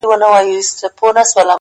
چي لاد هغې بيوفا پر كلي شپـه تېــروم!